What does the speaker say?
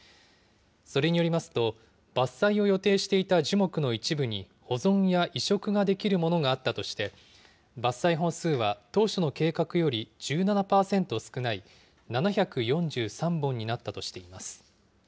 それによりますと、伐採を予定していた樹木の一部に保存や移植ができるものがあったとして、伐採本数は当初の計画より１７％少ない７４３本になったとしています。